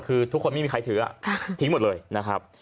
คือทุกคนไม่มีใครถือทิ้งหมดเลยนะครับ